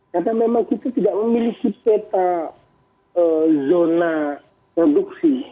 karena memang kita tidak memiliki peta zona produksi